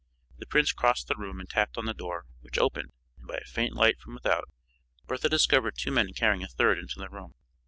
The prince crossed the room and tapped on the door, which opened, and by a faint light from without Bertha discovered two men carrying a third into the room.